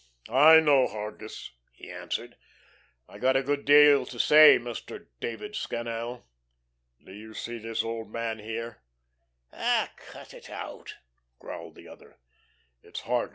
I know, Hargus," he answered. "I got a good deal to say, Mr. David Scannel. Do you see this old man here?" "Oh h, cut it out!" growled the other. "It's Hargus.